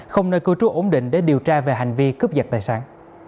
không nơi cư trú ổn định để điều tra về hành vi cướp giật tài sản